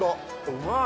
うまい。